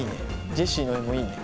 ジェシーの絵もいいね。